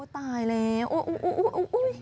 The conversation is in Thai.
ตายแล้ว